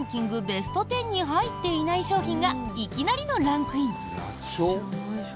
ベスト１０に入っていない商品がいきなりのランクイン。